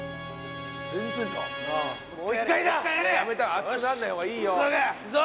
熱くなんない方がいいよいくぞ！